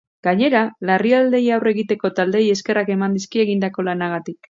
Gainera, larrialdiei aurre egiteko taldeei eskerrak eman dizkie egindako lanagatik.